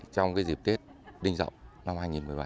trong dịp tết đinh dậu năm hai nghìn một mươi bảy